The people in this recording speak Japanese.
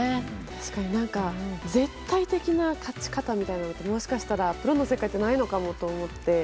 確かに、絶対的な勝ち方みたいなのってもしかしたらプロの世界にはないのかなと思って。